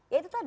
ya itu tadi